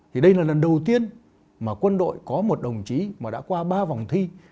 thì đây là lần đầu tiên mà quân đội có một đồng chí mà đã qua ba vòng thi